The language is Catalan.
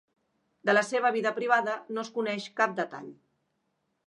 De la seva vida privada no es coneix cap detall.